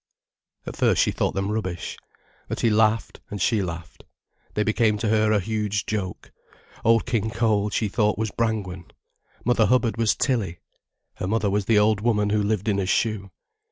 At first she thought them rubbish. But he laughed, and she laughed. They became to her a huge joke. Old King Cole she thought was Brangwen. Mother Hubbard was Tilly, her mother was the old woman who lived in a shoe.